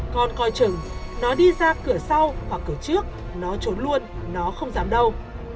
con coi chừng nó đi ra cửa sau hoặc cửa trước nó trốn luôn nó không dám đâu